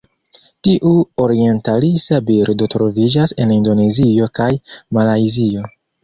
Tiu orientalisa birdo troviĝas en Indonezio kaj Malajzio.